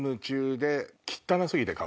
で。